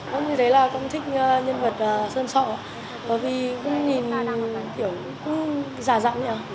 con thấy là con thích nhân vật sơn sọ bởi vì con nhìn kiểu cũng già dặn